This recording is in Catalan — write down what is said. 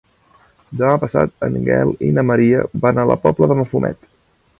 Demà passat en Gaël i na Maria van a la Pobla de Mafumet.